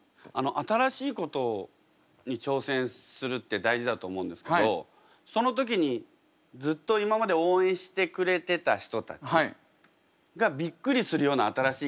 新しいことに挑戦するって大事だと思うんですけどその時にずっと今まで応援してくれてた人たちがびっくりするような新しいことも。